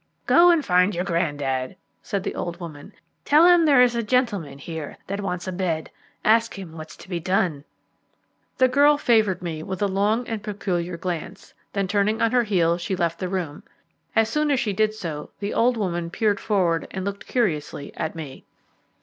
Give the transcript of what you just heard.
"Go and find your grandad," said the old woman. "Tell him there is a gentleman here that wants a bed. Ask him what's to be done." The girl favoured me with a long and peculiar glance, then turning on her heel she left the room. As soon as she did so the old woman peered forward and looked curiously at me.